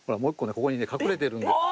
ここにね隠れているんです。